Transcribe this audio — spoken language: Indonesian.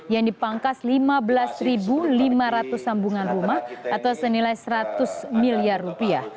yang dipangkas lima belas lima ratus sambungan rumah atau senilai seratus miliar rupiah